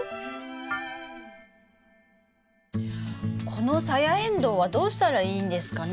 このサヤエンドウはどうしたらいいんですかね？